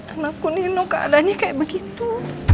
anakku nino keadaannya kayak begitu